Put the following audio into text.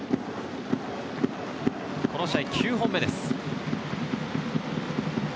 この試合９本目です。